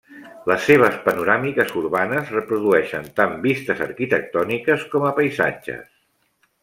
Les seves panoràmiques urbanes reprodueixen tan vistes arquitectòniques com a paisatges.